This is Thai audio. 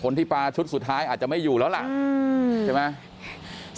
ที่ปลาชุดสุดท้ายอาจจะไม่อยู่แล้วล่ะใช่ไหม